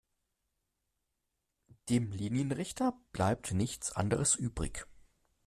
Dem Linienrichter bleibt nichts anderes übrig.